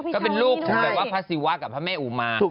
ก็เป็นลูกถึงแบบว่าพระศิวะกับพระแม่อุมา